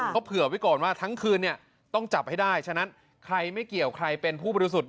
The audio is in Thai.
เขาเผื่อไว้ก่อนว่าทั้งคืนเนี่ยต้องจับให้ได้ฉะนั้นใครไม่เกี่ยวใครเป็นผู้บริสุทธิ์